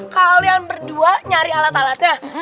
kalian berdua nyari alat alatnya